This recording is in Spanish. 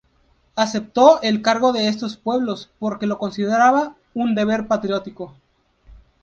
Aceptó el cargo de estos pueblos porque lo consideraba un deber patriótico.